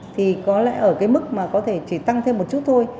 thì có lẽ ở cái mức mà có thể chỉ tăng thêm một chút thôi